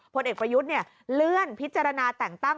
อ๋อพลเอกประยุทธ์เนี่ยเลื่อนพิจารณาแต่งตั้ง